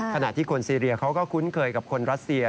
ขณะที่คนซีเรียเขาก็คุ้นเคยกับคนรัสเซีย